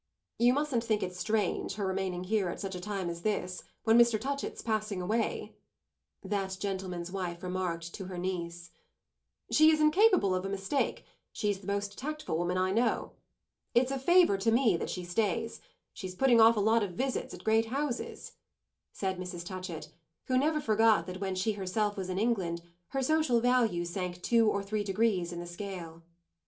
"You mustn't think it strange her remaining here at such a time as this, when Mr. Touchett's passing away," that gentleman's wife remarked to her niece. "She is incapable of a mistake; she's the most tactful woman I know. It's a favour to me that she stays; she's putting off a lot of visits at great houses," said Mrs. Touchett, who never forgot that when she herself was in England her social value sank two or three degrees in the scale.